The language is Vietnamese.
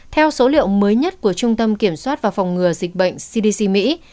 theo số liệu mới nhất của trung tâm kiểm soát và phòng ngừa dịch bệnh cdc mỹ